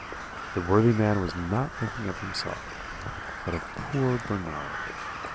"The worthy man was not thinking of himself, but of poor Bernard.